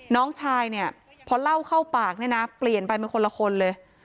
น้องชายเนี่ยพอเล่าเข้าปากเนี่ยนะเปลี่ยนไปเป็นคนละคนเลย